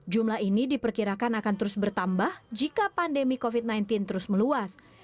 jumlah ini diperkirakan akan terus bertambah jika pandemi covid sembilan belas terus meluas